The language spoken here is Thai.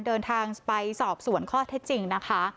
เดินทางไปสอบส่วนข้อเท็จจริงนะคะ